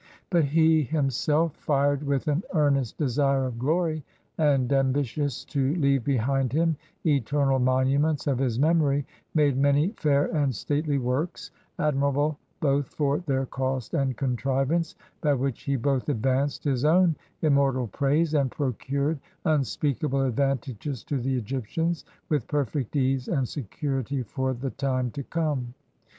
But he him self, fired with an earnest desire of glory and ambitious to leave behind him eternal monuments of his memory, made many fair and stately works, admirable both for their cost and contrivance, by which he both advanced his own immortal praise and procured imspeakable advantages to the Egyptians, with perfect ease and security for the time to come.